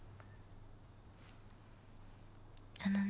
あのね